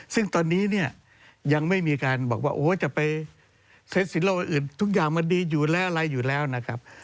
ซึ่งตอนนี้เนี่ยยังไม่มีการบอกว่าโอ้จะไปเซ็ตสินโลกอื่นทุกอย่างมันดีอยู่แล้วอะไรอยู่แล้วนะครับ